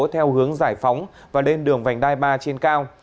theo hướng giải phóng và lên đường vành đai ba trên cao